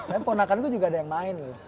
tapi ponakan gue juga ada yang main loh